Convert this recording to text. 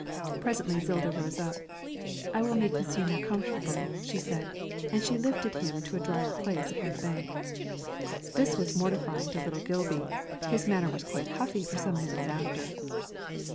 Presently Zilda rose up. 'I will make monsieur more comfortable,' she said, and she lifted him to a drier place upon the bank. This was mortifying to little Gilby; his manner was quite huffy for some minutes after.